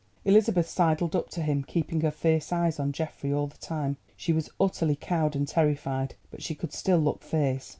Elizabeth sidled up to him, keeping her fierce eyes on Geoffrey all the time. She was utterly cowed and terrified, but she could still look fierce.